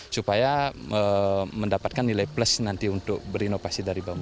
supaya mendapatkan nilai plus nanti untuk berinovasi dari bambu